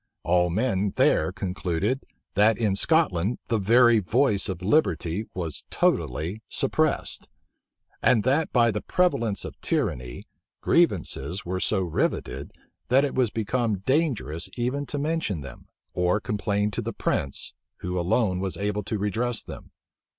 All men there concluded, that in Scotland the very voice of liberty was totally suppressed; and that, by the prevalence of tyranny, grievances were so rivetted, that it was become dangerous even to mention them, or complain to the prince, who alone was able to redress them.